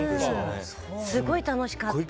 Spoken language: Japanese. すごい楽しかった。